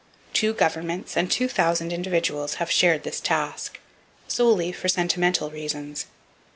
Two governments and two thousand individuals have shared this task,—solely for sentimental reasons.